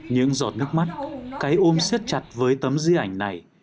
những giọt nước mắt cái ôm xét chặt với tấm dư ảnh này